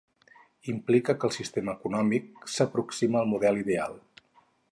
Implica que el sistema econòmic s'aproxima al model ideal.